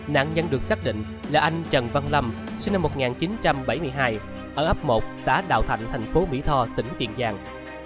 nạn nhân được xác định là anh trần văn lâm sinh năm một nghìn chín trăm bảy mươi hai ở ấp một xã đào thạnh thành phố mỹ tho tỉnh tiền giang